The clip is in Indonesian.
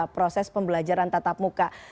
proses pembelajaran tatap muka